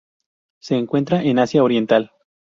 Se encuentra en Asia Oriental.